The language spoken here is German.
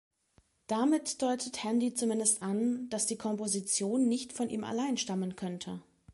Damit deutet Handy zumindest an, dass die Komposition nicht von ihm allein stammen könnte.